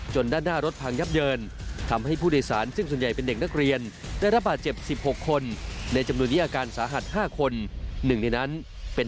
จนด้านหน้ารถพังยับเดิน